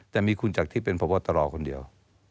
แต่มีคุณจากที่เป็นพบตรคนเดียว